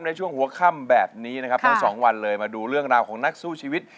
ในช่วงหัวค่ำแบบนี้นะครับทั้งสองวันเลยมาดูเรื่องราวของนักสู้ชีวิต